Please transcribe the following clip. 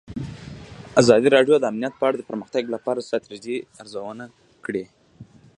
ازادي راډیو د امنیت په اړه د پرمختګ لپاره د ستراتیژۍ ارزونه کړې.